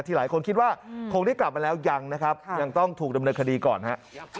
หลายคนคิดว่าคงได้กลับมาแล้วยังนะครับยังต้องถูกดำเนินคดีก่อนฮะ